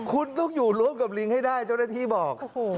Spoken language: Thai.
คุณต้องอยู่ร่วมกับลิงให้ได้เจ้าหน้าที่บอก